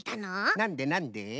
なんでなんで？